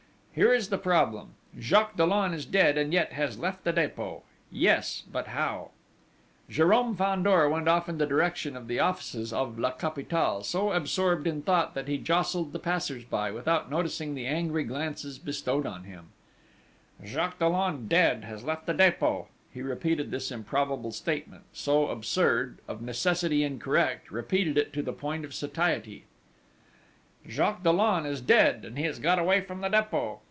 Here is the problem: Jacques Dollon is dead, and yet has left the Dépôt! Yes, but how?" Jérôme Fandor went off in the direction of the offices of La Capitale so absorbed in thought that he jostled the passers by, without noticing the angry glances bestowed on him: "Jacques Dollon, dead, has left the Dépôt!" He repeated this improbable statement, so absurd, of necessity incorrect; repeated it to the point of satiety: "Jacques Dollon is dead, and he has got away from the Dépôt!"